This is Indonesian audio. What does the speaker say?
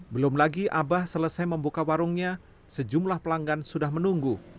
belum lagi abah selesai membuka warungnya sejumlah pelanggan sudah menunggu